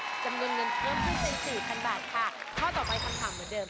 จำควรเงินเย็นเทียมได้จนเป็น๔๐๐๐บาท